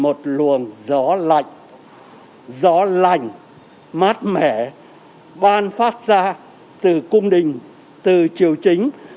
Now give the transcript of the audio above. một luồng gió lạnh gió lạnh mát mẻ ban phát ra từ cung đình từ triều chính